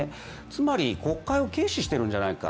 つまり国会を軽視しているんじゃないか